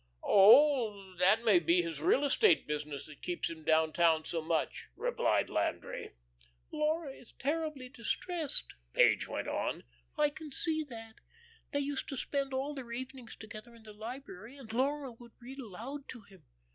"Oh, that may be his real estate business that keeps him down town so much," replied Landry. "Laura is terribly distressed," Page went on. "I can see that. They used to spend all their evenings together in the library, and Laura would read aloud to him.